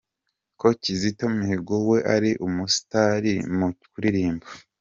Ko Kizito Mihigo we ari umustar mu kuririmba.